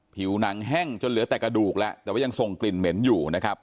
ผิวหนังแห้งจนเหลือแต่กระดูกแล้วแต่ว่ายังส่งกลิ่นเหม็นอยู่นะครับ